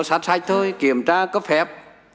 sát hạch thôi kiểm tra cấp phép